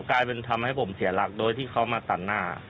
และกลายเป็นทำให้สีระคนด้วยที่เขาจะตัดหน้า